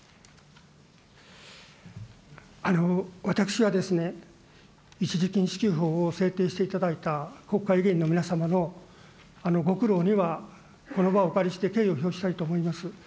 私は一時金支給法を制定していただいた国会議員の皆様のご苦労には、この場をお借りして敬意を表したいと思います。